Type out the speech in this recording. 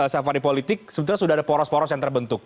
safari politik sebetulnya sudah ada poros poros yang terbentuk